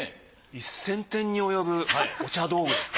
１，０００点に及ぶお茶道具ですか？